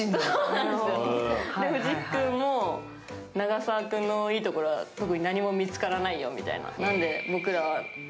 藤木君も、永沢君のいいところは特に何も見つからないよみたいな。